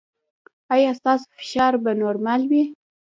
ایا ستاسو فشار به نورمال وي؟